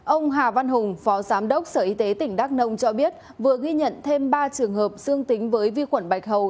ông hà văn hùng phó giám đốc sở y tế tỉnh đắk nông cho biết vừa ghi nhận thêm ba trường hợp dương tính với vi khuẩn bạch hầu